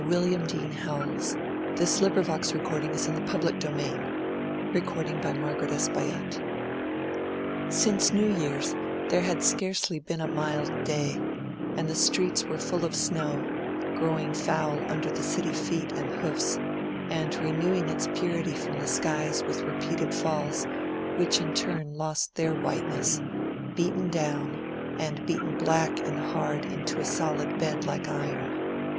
It lay in her basket, and after some days it found its way under the work in it, and she forgot it. XXIII. SINCE New Year's there had scarcely been a mild day, and the streets were full of snow, growing foul under the city feet and hoofs, and renewing its purity from the skies with repeated falls, which in turn lost their whiteness, beaten down, and beaten black and hard into a solid bed like iron.